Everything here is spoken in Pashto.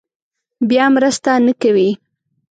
بیا مرسته نه کوي.